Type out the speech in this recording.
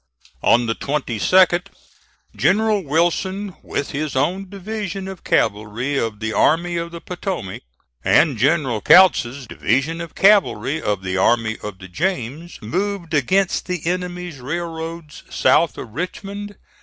On the 22d, General Wilson, with his own division of cavalry of the Army of the Potomac, and General Kautz's division of cavalry of the Army of the James moved against the enemy's railroads south of Richmond.